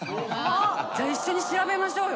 じゃあ一緒に調べましょうよ。